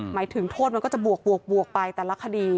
หมายถึงโทษมันก็จะบวกไปแต่ละคดี